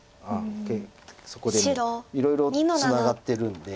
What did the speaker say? そこでもいろいろツナがってるんで。